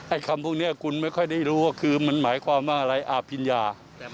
คำพวกนี้คุณไม่ค่อยได้รู้ว่าคือมันหมายความว่าอะไรอภิญญา